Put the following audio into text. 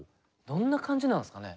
どんな感じなんですかね。